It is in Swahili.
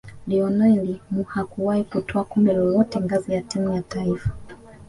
lionel mhakuwahi kutwaa kombe lolote ngazi ya timu ya taifa